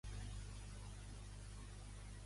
Què es va fer al s.